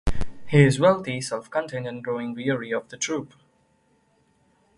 He is wealthy, self-contained, and growing weary of the troupe.